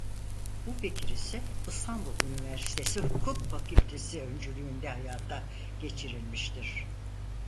Bu fikir ise İstanbul Üniversitesi Hukuk Fakültesi öncülüğünde hayata geçirilmiştir.